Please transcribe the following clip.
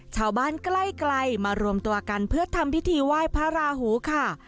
ชาวบ้านใกล้มารวมตัวกันเพื่อทำพิธีไหว้พระราหูค่ะ